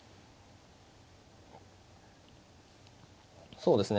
そうですね